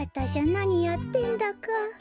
なにやってんだか。